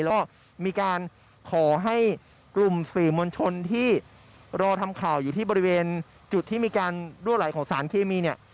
แล้วก็มีการขอให้กลุ่มสื่อมวลชนที่รอทำข่าวอยู่ที่บริเวณจุดที่มีการรั่วไหลของสารเคมีเนี่ย